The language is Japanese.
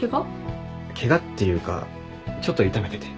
ケガっていうかちょっと痛めてて。